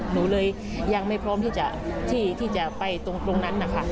หนูเลยยังไม่พร้อมที่จะไปตรงนั้นนะคะ